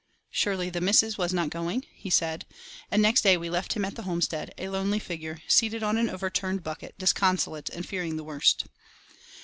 "Surely the missus was not going?" he said; and next day we left him at the homestead, a lonely figure, seated on an overturned bucket, disconsolate and fearing the worst.